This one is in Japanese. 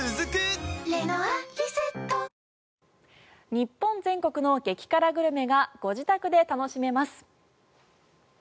日本全国の激辛グルメがご自宅で楽しめます。